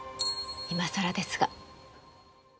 いまさらですが。